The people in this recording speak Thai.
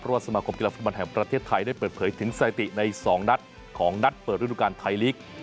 สมาคมกีฬาฟุตบอลแห่งประเทศไทยได้เปิดเผยถึงสถิติใน๒นัดของนัดเปิดฤดูการไทยลีก